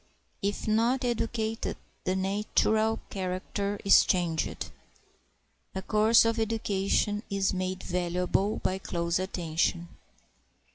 If not educated, the natural character is changed; A course of education is made valuable by close attention.